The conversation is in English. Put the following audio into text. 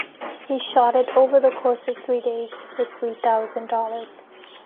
He shot it over the course of three days for three thousand dollars.